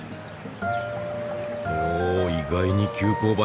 お意外に急勾配。